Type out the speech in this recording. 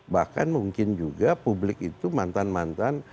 bahkan mungkin juga publik itu mantan mantan